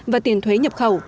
và tiền thuế nhập khẩu